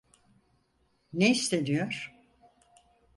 Ne isteniyor?